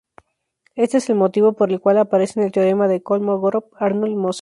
Este es el motivo por el cual aparece en el teorema de Kolmogórov-Arnold-Moser.